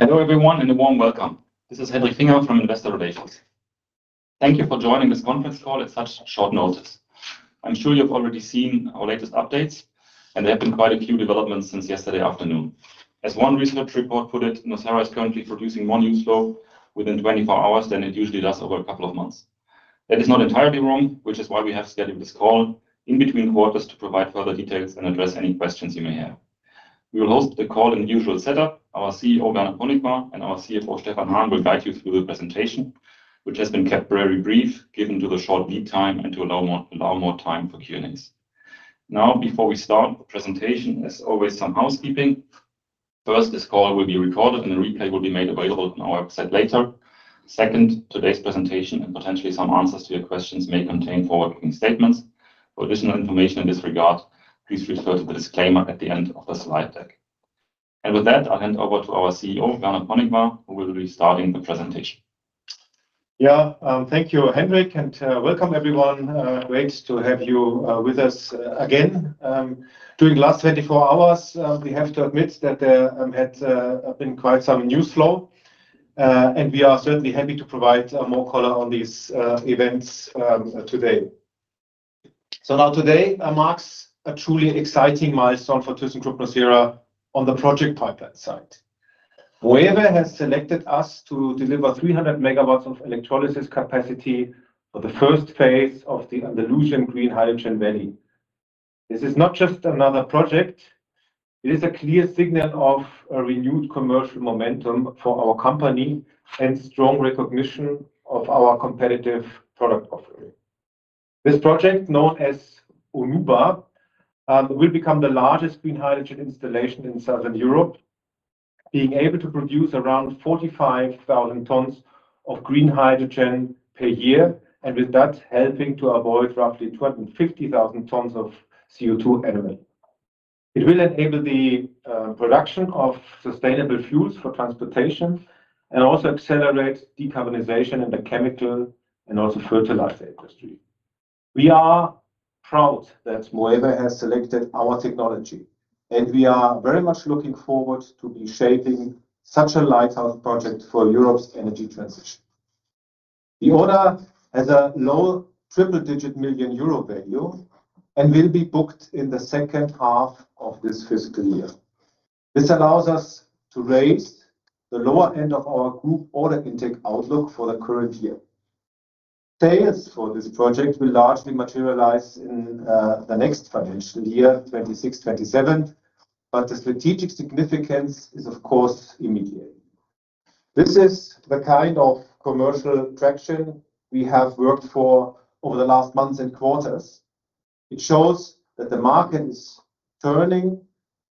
Hello everyone, and a warm welcome. This is Hendrik Finger from Investor Relations. Thank you for joining this conference call at such short notice. I'm sure you've already seen our latest updates, and there have been quite a few developments since yesterday afternoon. As one research report put it, nucera is currently producing more news flow within 24 hours than it usually does over a couple of months. That is not entirely wrong, which is why we have scheduled this call in between quarters to provide further details and address any questions you may have. We will host the call in the usual setup. Our CEO, Werner Ponikwar, and our CFO, Stefan Hahn, will guide you through the presentation, which has been kept very brief, given to the short lead time and to allow more time for Q&As. Now, before we start the presentation, as always, some housekeeping. First, this call will be recorded and the replay will be made available on our website later. Second, today's presentation and potentially some answers to your questions may contain forward-looking statements. For additional information in this regard, please refer to the disclaimer at the end of the slide deck. With that, I'll hand over to our CEO, Werner Ponikwar, who will be starting the presentation. Yeah. Thank you, Hendrik, and welcome everyone. Great to have you with us again. During last 24 hours, we have to admit that there had been quite some news flow, and we are certainly happy to provide more color on these events today. Now today marks a truly exciting milestone for thyssenkrupp nucera on the project pipeline side. Moeve has selected us to deliver 300 MW of electrolysis capacity for the first phase of the Andalusian Green Hydrogen Valley. This is not just another project, it is a clear signal of a renewed commercial momentum for our company and strong recognition of our competitive product offering. This project, known as Onuba, will become the largest green hydrogen installation in Southern Europe, being able to produce around 45,000 tons of green hydrogen per year, and with that, helping to avoid roughly 20,000-50,000 tons of CO2 annually. It will enable the production of sustainable fuels for transportation and also accelerate decarbonization in the chemical and also fertilizer industry. We are proud that Moeve has selected our technology, and we are very much looking forward to be shaping such a lighthouse project for Europe's energy transition. The order has a low triple-digit million Euro value and will be booked in the second half of this fiscal year. This allows us to raise the lower end of our group order intake outlook for the current year. Sales for this project will largely materialize in the next financial year, 2026-2027, but the strategic significance is, of course, immediate. This is the kind of commercial traction we have worked for over the last months and quarters. It shows that the market is turning,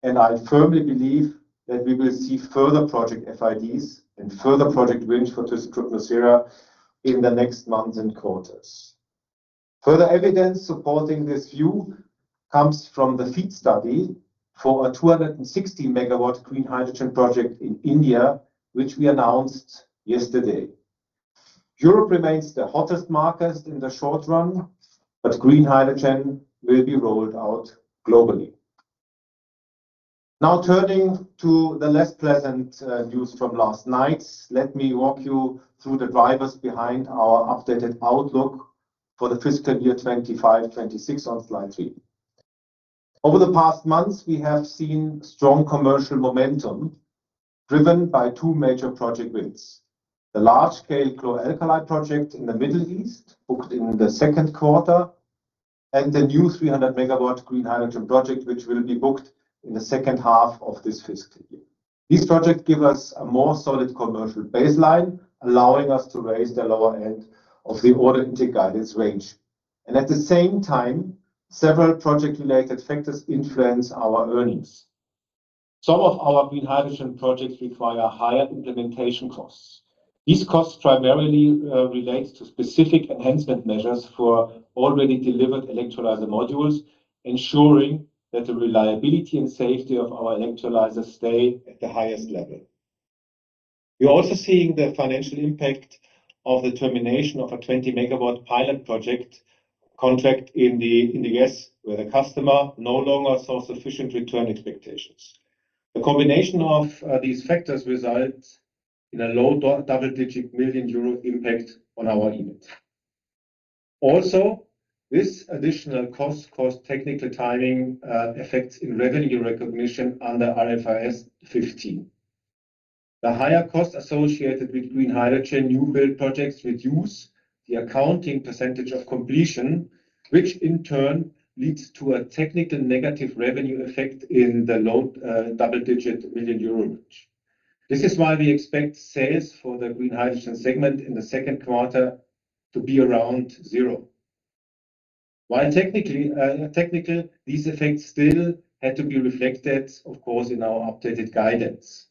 and I firmly believe that we will see further project FIDs and further project wins for thyssenkrupp nucera in the next months and quarters. Further evidence supporting this view comes from the FEED study for a 260 MW green hydrogen project in India, which we announced yesterday. Europe remains the hottest market in the short run, but green hydrogen will be rolled out globally. Now, turning to the less pleasant news from last night. Let me walk you through the drivers behind our updated outlook for the fiscal year 2025- 2026 on slide three. Over the past months, we have seen strong commercial momentum driven by two major project wins. The large-scale chlor-alkali project in the Middle East, booked in the second quarter, and the new 300 MW green hydrogen project, which will be booked in the second half of this fiscal year. These projects give us a more solid commercial baseline, allowing us to raise the lower end of the order intake guidance range. At the same time, several project-related factors influence our earnings. Some of our green hydrogen projects require higher implementation costs. These costs primarily relate to specific enhancement measures for already delivered electrolyzer modules, ensuring that the reliability and safety of our electrolyzers stay at the highest level. We're also seeing the financial impact of the termination of a 20 MW pilot project contract in the U.S., where the customer no longer saw sufficient return expectations. The combination of these factors result in a low double-digit million Euro impact on our EBIT. Also, this additional cost caused technical timing effects in revenue recognition under IFRS 15. The higher cost associated with green hydrogen new-build projects reduce the accounting percentage of completion, which in turn leads to a technical negative revenue effect in the low double-digit million Euro range. This is why we expect sales for the green hydrogen segment in the second quarter to be around zero. While technically these effects still had to be reflected, of course, in our updated guidance.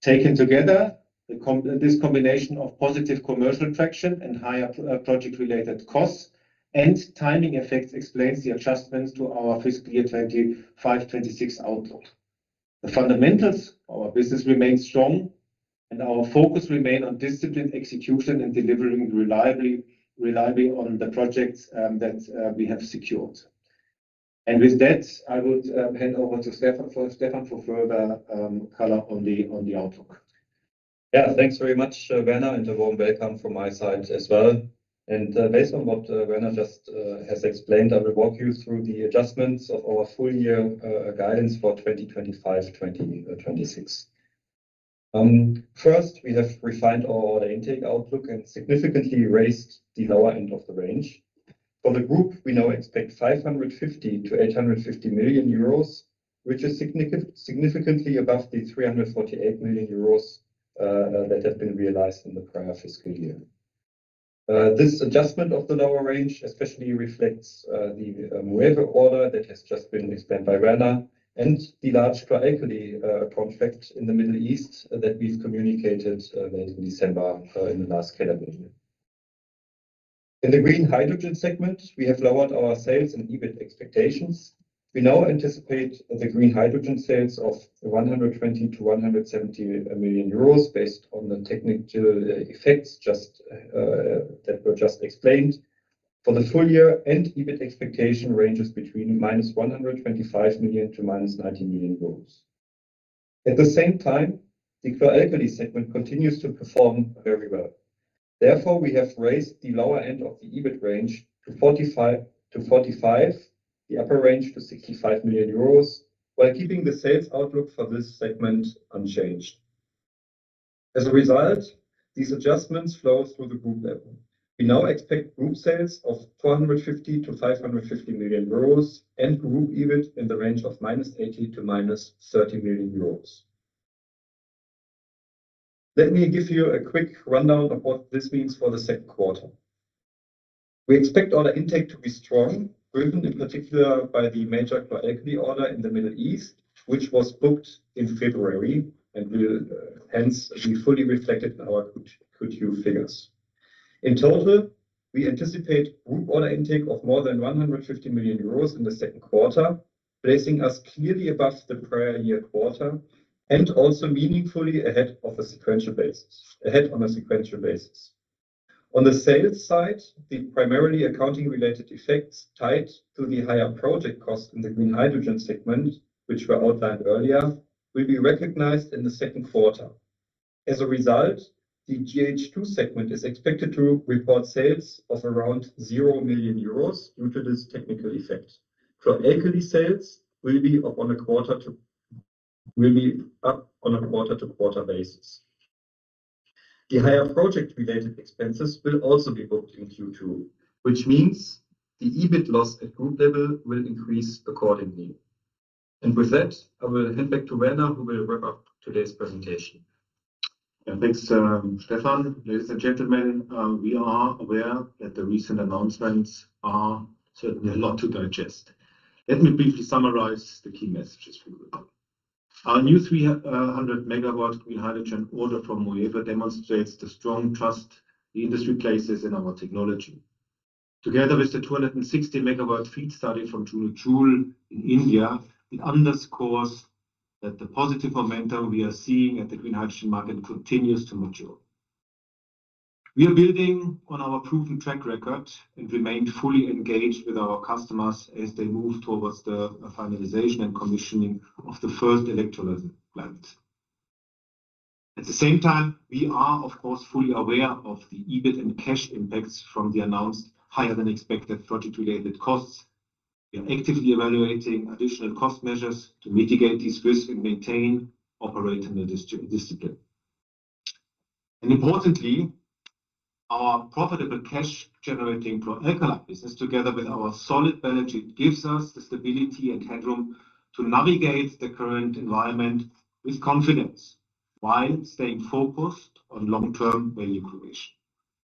Taken together, this combination of positive commercial traction and higher project-related costs and timing effects explains the adjustments to our fiscal year 2025-2026 outlook. The fundamentals of our business remain strong, and our focus remain on disciplined execution and delivering reliably on the projects that we have secured. With that, I would hand over to Stefan for further color on the outlook. Yeah. Thanks very much, Werner, and a warm welcome from my side as well. Based on what Werner just has explained, I will walk you through the adjustments of our full year guidance for 2025-2026. First, we have refined our order intake outlook and significantly raised the lower end of the range. For the group, we now expect 550 million-850 million euros, which is significantly above the 348 million euros that have been realized in the prior fiscal year. This adjustment of the lower range especially reflects the Moeve order that has just been explained by Werner and the large chlor-alkali project in the Middle East that we've communicated late in December in the last quarter review. In the green hydrogen segment, we have lowered our sales and EBIT expectations. We now anticipate the green hydrogen sales of 120 million-170 million euros based on the technical effects just that were just explained. For the full-year-end EBIT expectation ranges between -125 million to -90 million euros. At the same time, the chlor-alkali segment continues to perform very well. Therefore, we have raised the lower end of the EBIT range to 45 million, the upper range to 65 million euros, while keeping the sales outlook for this segment unchanged. As a result, these adjustments flow through the group level. We now expect group sales of 450 million-550 million euros and group EBIT in the range of -80 million to -30 million euros. Let me give you a quick rundown of what this means for the second quarter. We expect order intake to be strong, driven in particular by the major chlor-alkali order in the Middle East, which was booked in February and will hence be fully reflected in our Q2 figures. In total, we anticipate group order intake of more than 150 million euros in the second quarter, placing us clearly above the prior year quarter and also meaningfully ahead on a sequential basis. On the sales side, the primarily accounting-related effects tied to the higher project cost in the green hydrogen segment, which were outlined earlier, will be recognized in the second quarter. As a result, the GH2 segment is expected to report sales of around 0 million euros due to this technical effect. Chlor-alkali sales will be up on a quarter-to-quarter basis. The higher project-related expenses will also be booked in Q2, which means the EBIT loss at group level will increase accordingly. With that, I will hand back to Werner, who will wrap up today's presentation. Yeah. Thanks, Stefan. Ladies and gentlemen, we are aware that the recent announcements are certainly a lot to digest. Let me briefly summarize the key messages for you. Our new 300 MW green hydrogen order from Moeve demonstrates the strong trust the industry places in our technology. Together with the 260 MW FEED study from Juno Joule in India, it underscores that the positive momentum we are seeing at the green hydrogen market continues to mature. We are building on our proven track record and remain fully engaged with our customers as they move towards the finalization and commissioning of the first electrolysis plant. At the same time, we are, of course, fully aware of the EBIT and cash impacts from the announced higher than expected project-related costs. We are actively evaluating additional cost measures to mitigate these risks and maintain operating discipline. Importantly, our profitable cash-generating chlor-alkali business, together with our solid balance sheet, gives us the stability and headroom to navigate the current environment with confidence while staying focused on long-term value creation.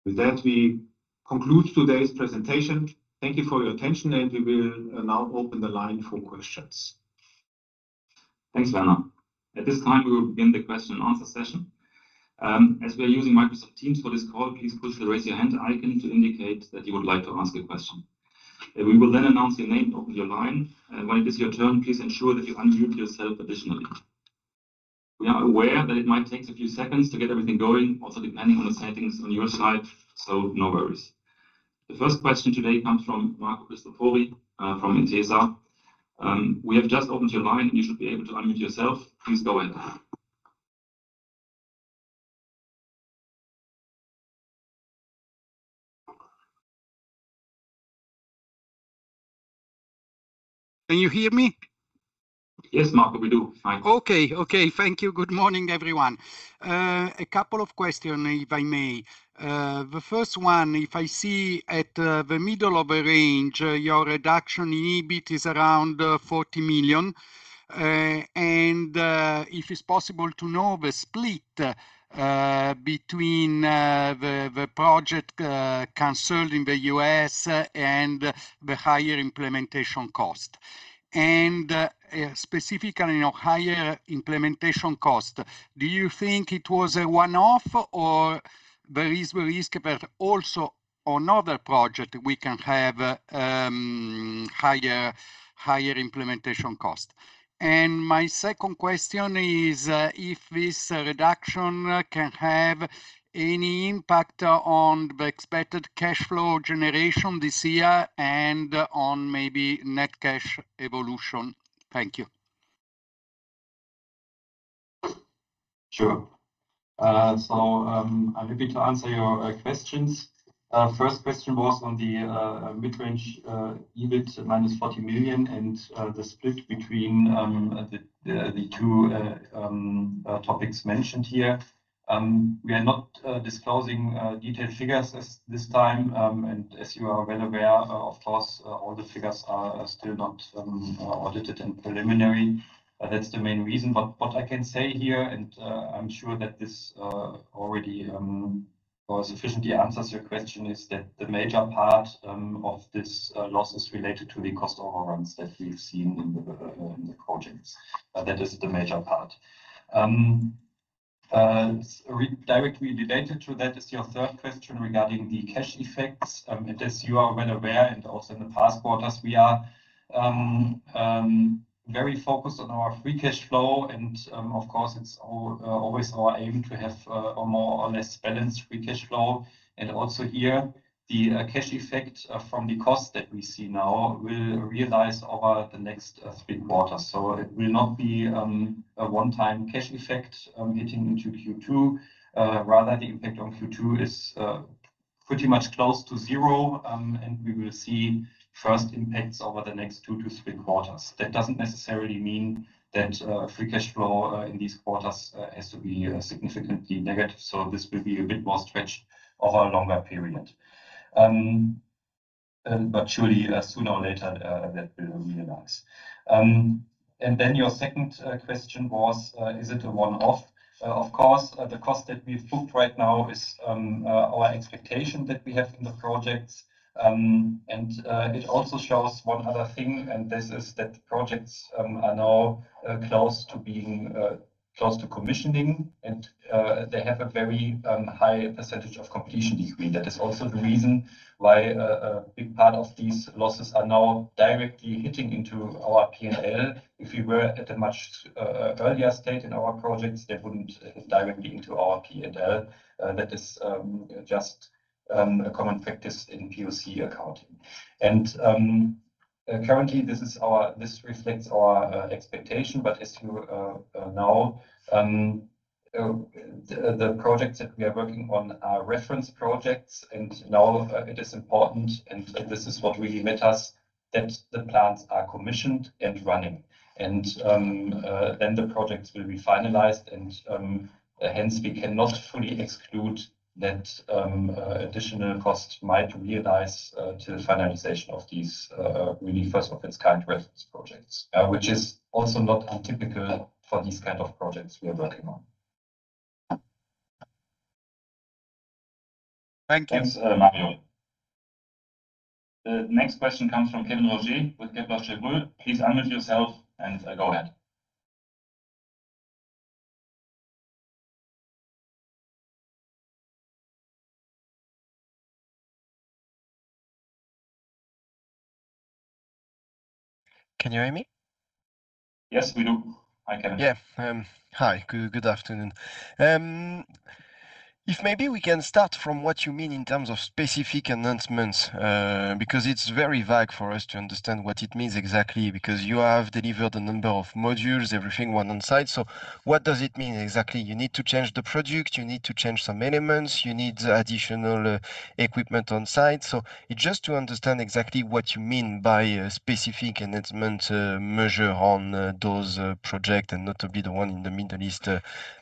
With that, we conclude today's presentation. Thank you for your attention, and we will now open the line for questions. Thanks, Werner. At this time, we will begin the question and answer session. As we are using Microsoft Teams for this call, please push the Raise Your Hand icon to indicate that you would like to ask a question. We will then announce your name, open your line, and when it is your turn, please ensure that you unmute yourself additionally. We are aware that it might take a few seconds to get everything going, also depending on the settings on your side, so no worries. The first question today comes from Marco Cristofori from Intesa. We have just opened your line, and you should be able to unmute yourself. Please go ahead. Can you hear me? Yes, Marco. We do fine. Okay. Thank you. Good morning, everyone. A couple of question, if I may. The first one, if I see at the middle of the range, your reduction in EBIT is around 40 million. If it's possible to know the split between the project canceled in the U.S. and the higher implementation cost. Specifically on higher implementation cost, do you think it was a one-off or there is risk that also on other project we can have higher implementation cost? My second question is, if this reduction can have any impact on the expected cash flow generation this year and on maybe net cash evolution? Thank you. Sure. I'm happy to answer your questions. First question was on the mid-range EBIT -40 million and the split between the two topics mentioned here. We are not disclosing detailed figures this time. As you are well aware, of course, all the figures are still not audited and preliminary. That's the main reason. What I can say here, and I'm sure that this already or sufficiently answers your question, is that the major part of this loss is related to the cost overruns that we've seen in the projects. That is the major part. Directly related to that is your third question regarding the cash effects. As you are well aware, also in the past quarters, we are very focused on our free cash flow and, of course, it's always our aim to have a more or less balanced free cash flow. Also here, the cash effect from the cost that we see now will realize over the next three quarters. It will not be a one-time cash effect hitting into Q2. Rather the impact on Q2 is pretty much close to zero, and we will see first impacts over the next two to three quarters. That doesn't necessarily mean that free cash flow in these quarters has to be significantly negative, so this will be a bit more stretched over a longer period. Surely, sooner or later, that will realize. Then your second question was, is it a one-off? Of course, the cost that we've booked right now is our expectation that we have in the projects. It also shows one other thing, and this is that projects are now close to being close to commissioning, and they have a very high percentage of completion degree. That is also the reason why a big part of these losses are now directly hitting into our P&L. If you were at a much earlier state in our projects, they wouldn't directly into our P&L. That is just a common practice in POC accounting. Currently this reflects our expectation. As you know, the projects that we are working on are reference projects, and now it is important, and this is what really matters, that the plants are commissioned and running. Then the projects will be finalized, and hence we cannot fully exclude that additional costs might realize till finalization of these really first of its kind reference projects, which is also not untypical for these kind of projects we are working on. Thank you. Thanks, Marco. The next question comes from Kévin Roger with Kepler Cheuvreux. Please unmute yourself and go ahead. Can you hear me? Yes, we do. Hi, Kevin. Yeah. Hi. Good afternoon. If maybe we can start from what you mean in terms of specific enhancements, because it's very vague for us to understand what it means exactly, because you have delivered a number of modules, everything, one on site. What does it mean exactly? You need to change the product, you need to change some elements, you need additional equipment on site? Just to understand exactly what you mean by a specific enhancement measure on those project and notably the one in the Middle East,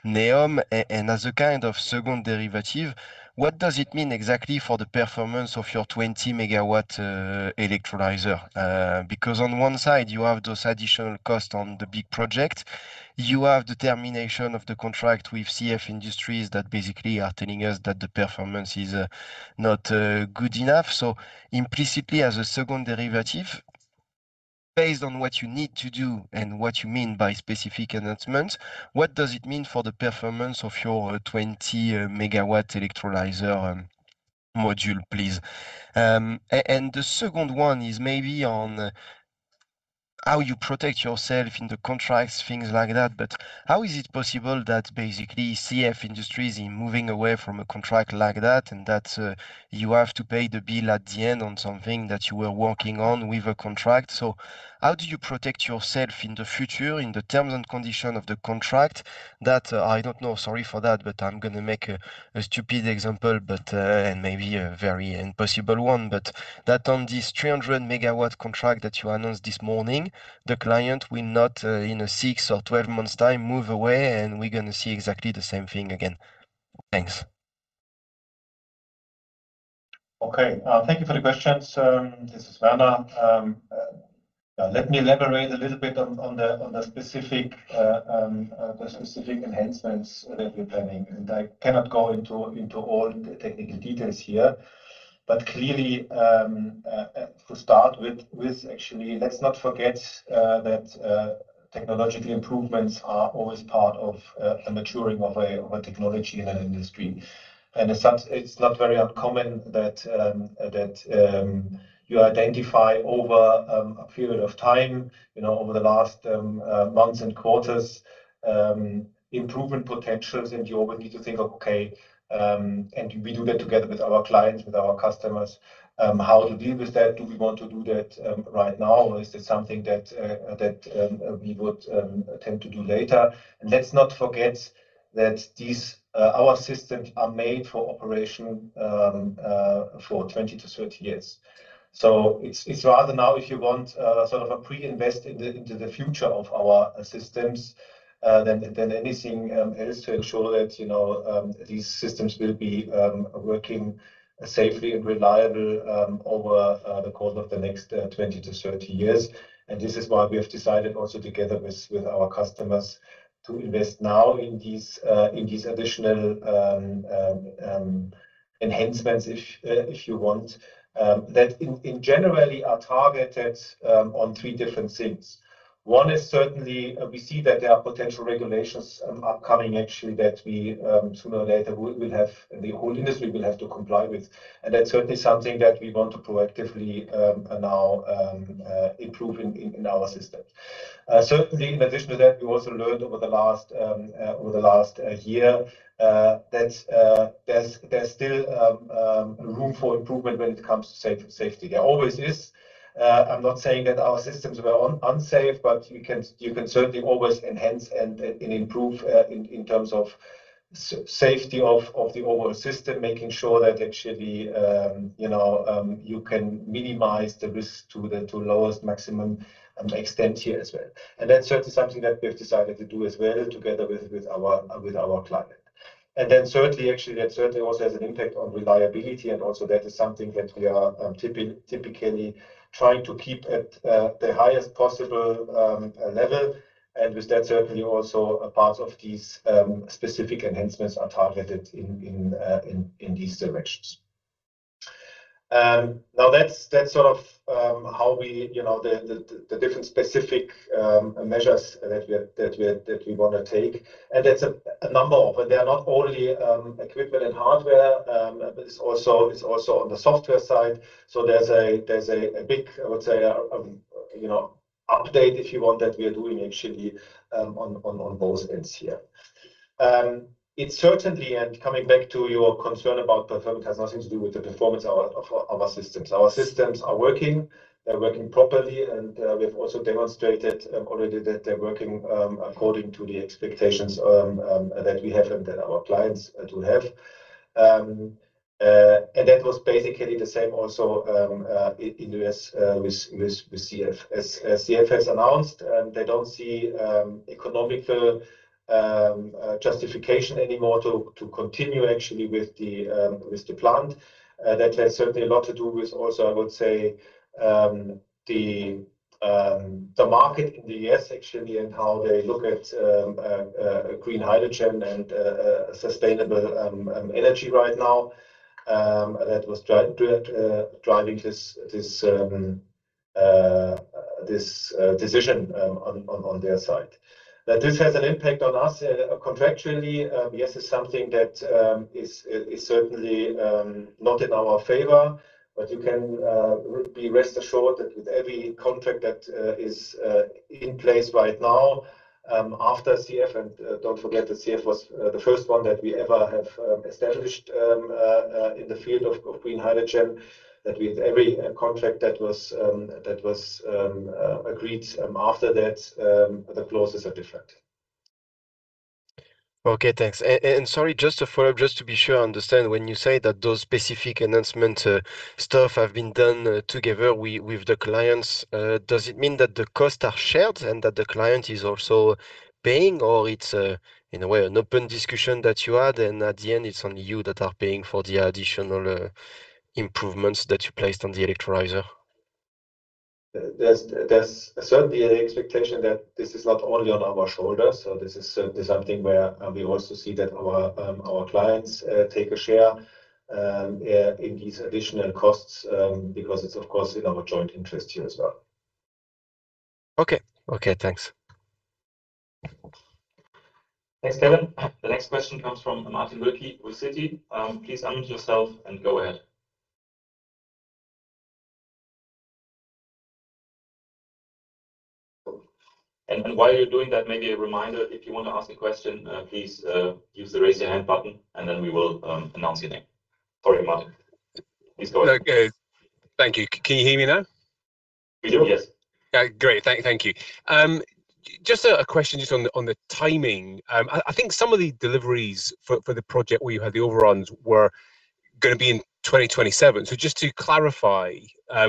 NEOM. As a kind of second derivative, what does it mean exactly for the performance of your 20 MW electrolyzer? Because on one side you have those additional costs on the big project, you have the termination of the contract with CF Industries that basically are telling us that the performance is not good enough. Implicitly, as a second derivative, based on what you need to do and what you mean by specific enhancements, what does it mean for the performance of your 20 MW electrolyzer module, please? And the second one is maybe on how you protect yourself in the contracts, things like that. How is it possible that basically CF Industries in moving away from a contract like that and that you have to pay the bill at the end on something that you were working on with a contract? How do you protect yourself in the future in the terms and condition of the contract that, I don't know, sorry for that, but I'm gonna make a stupid example, but, and maybe a very impossible one, but that on this 300 MW contract that you announced this morning, the client will not, in a six or 12 months time move away and we're gonna see exactly the same thing again? Thanks. Okay. Thank you for the questions. This is Werner. Let me elaborate a little bit on the specific enhancements that we're planning. I cannot go into all the technical details here. Clearly, to start with, actually, let's not forget that technological improvements are always part of a maturing of a technology in an industry. As such, it's not very uncommon that you identify over a period of time, you know, over the last months and quarters, improvement potentials, and you always need to think, okay, and we do that together with our clients, with our customers, how to deal with that. Do we want to do that right now? Is this something that we would attempt to do later? Let's not forget that our systems are made for operation for 20-30 years. It's rather now if you want sort of a pre-invest into the future of our systems than anything else to ensure that, you know, these systems will be working safely and reliable over the course of the next 20-30 years. This is why we have decided also together with our customers to invest now in these additional enhancements if you want that in general are targeted on three different things. One is certainly we see that there are potential regulations upcoming actually that we sooner or later the whole industry will have to comply with. That's certainly something that we want to proactively now improve in our systems. Certainly in addition to that, we also learned over the last year that there's still room for improvement when it comes to safety. There always is. I'm not saying that our systems were unsafe, but you can certainly always enhance and improve in terms of safety of the overall system, making sure that actually you know you can minimize the risk to the lowest maximum extent here as well. That's certainly something that we have decided to do as well together with our client. Certainly, actually, that certainly also has an impact on reliability and also that is something that we are typically trying to keep at the highest possible level. With that, certainly also a part of these specific enhancements are targeted in these directions. Now that's sort of how we, you know, the different specific measures that we wanna take. There's a number of, and they are not only equipment and hardware, but it's also on the software side. There's a big update, if you want, that we are doing actually on both ends here. It certainly, coming back to your concern about performance, has nothing to do with the performance of our systems. Our systems are working. They're working properly, and we've also demonstrated already that they're working according to the expectations that we have and that our clients do have. That was basically the same also in the U.S. with CF. As CF has announced, they don't see economic justification anymore to continue actually with the plant. That has certainly a lot to do with also, I would say, the market in the U.S. actually and how they look at green hydrogen and sustainable energy right now, that was driving this decision on their side. Now, this has an impact on us contractually. Yes, it's something that is certainly not in our favor. You can be rest assured that with every contract that is in place right now, after CF, and don't forget that CF was the first one that we ever have established in the field of green hydrogen, that with every contract that was agreed after that, the clauses are different. Okay, thanks. Sorry, just to follow up, just to be sure I understand. When you say that those specific enhancement, stuff have been done together with the clients, does it mean that the costs are shared and that the client is also paying or it's in a way an open discussion that you had, and at the end it's only you that are paying for the additional improvements that you placed on the electrolyzer? There's certainly an expectation that this is not only on our shoulders. This is certainly something where we also see that our clients take a share in these additional costs, because it's of course in our joint interest here as well. Okay. Okay, thanks. Thanks, Kevin. The next question comes from Martin Wilkie with Citi. Please unmute yourself and go ahead. While you're doing that, maybe a reminder, if you want to ask a question, please use the Raise Your Hand button, and then we will announce your name. Sorry, Martin. Please go ahead. No, good. Thank you. Can you hear me now? We do, yes. Great. Thank you. Just a question on the timing. I think some of the deliveries for the project where you had the overruns were gonna be in 2027. Just to clarify,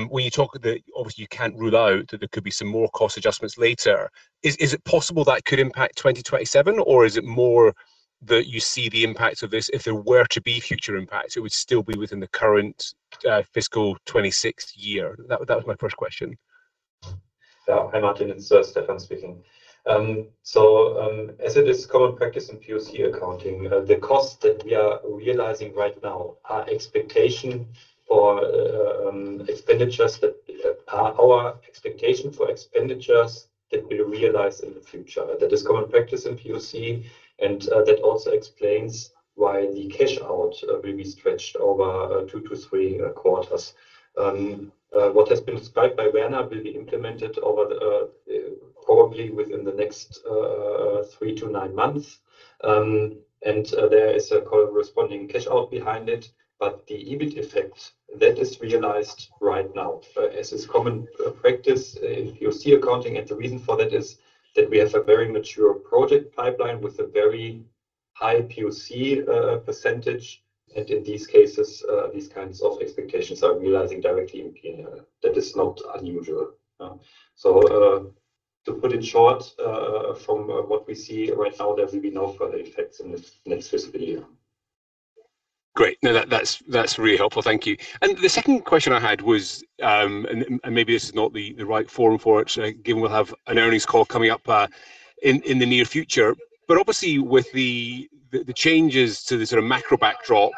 when you talk that obviously you can't rule out that there could be some more cost adjustments later, is it possible that could impact 2027? Or is it more that you see the impact of this if there were to be future impacts, it would still be within the current fiscal 2026 year? That was my first question. Yeah. Hi, Martin. It's Stefan speaking. As it is common practice in POC accounting, the costs that we are realizing right now are our expectations for expenditures that we realize in the future. That is common practice in POC, and that also explains why the cash out will be stretched over two-three quarters. What has been described by Werner will be implemented probably within the next three-nine months. There is a corresponding cash out behind it, but the EBIT effect that is realized right now, as is common practice in POC accounting. The reason for that is that we have a very mature project pipeline with a very high POC percentage. In these cases, these kinds of expectations are realizing directly in PnL. That is not unusual. To put in short, from what we see right now, there will be no further effects in the next fiscal year. Great. No, that's really helpful. Thank you. The second question I had was, and maybe this is not the right forum for it, given we'll have an earnings call coming up, in the near future. Obviously with the changes to the sort of macro backdrop,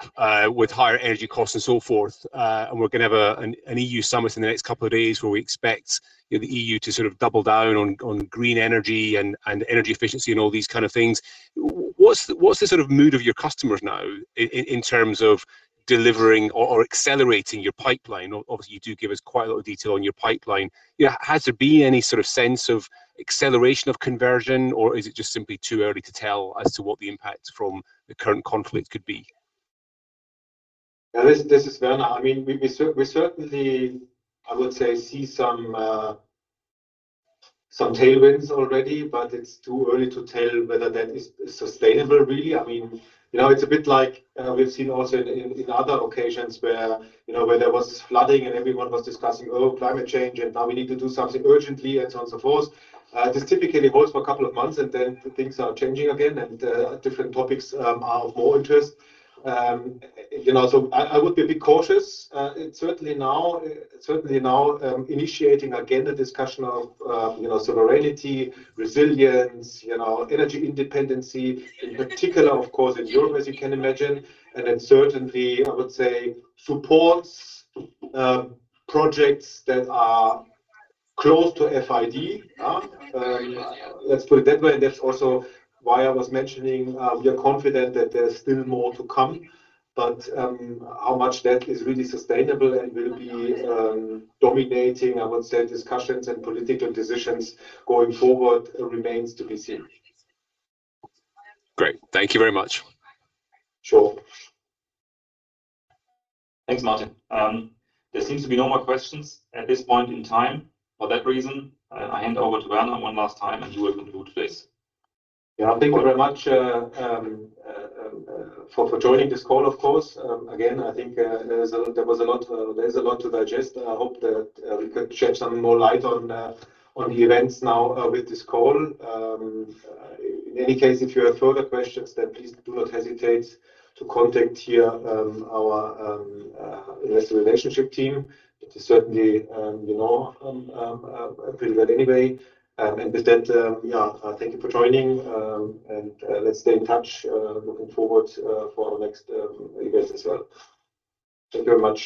with higher energy costs and so forth, and we're gonna have an E.U. summit in the next couple of days where we expect, you know, the E.U. To sort of double down on green energy and energy efficiency and all these kind of things. What's the sort of mood of your customers now in terms of delivering or accelerating your pipeline? Obviously you do give us quite a lot of detail on your pipeline. Yeah. Has there been any sort of sense of acceleration of conversion, or is it just simply too early to tell as to what the impact from the current conflict could be? Yeah. This is Werner. I mean, we certainly, I would say, see some tailwinds already, but it's too early to tell whether that is sustainable really. I mean, you know, it's a bit like, we've seen also in other occasions where, you know, where there was flooding and everyone was discussing, "Oh, climate change, and now we need to do something urgently," and so on and so forth. This typically holds for a couple of months, and then things are changing again and different topics are of more interest. You know, so I would be a bit cautious. It's certainly now initiating again a discussion of, you know, sovereignty, resilience, you know, energy independency, in particular of course in Europe, as you can imagine. Certainly I would say supports projects that are close to FID. Let's put it that way. That's also why I was mentioning we are confident that there's still more to come. How much that is really sustainable and will be dominating, I would say, discussions and political decisions going forward remains to be seen. Great. Thank you very much. Sure. Thanks, Martin. There seems to be no more questions at this point in time. For that reason, I hand over to Werner one last time, and you will conclude today's. Yeah. Thank you very much for joining this call of course. Again, I think there's a lot to digest, and I hope that we could shed some more light on the events now with this call. In any case, if you have further questions, then please do not hesitate to contact here our Investor Relations team, which is certainly you know available anyway. With that, yeah, thank you for joining, and let's stay in touch, looking forward for our next event as well. Thank you very much.